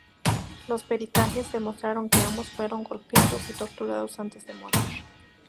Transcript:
Los peritajes demostraron que ambos fueron golpeados y torturados antes de morir.